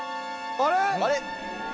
あれ？